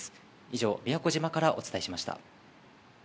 以上、宮古島からお伝えしました。